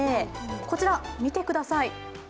こちら見てください。